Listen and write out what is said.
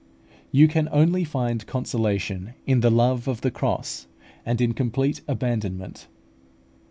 You can only find consolation in the love of the cross and in complete abandonment.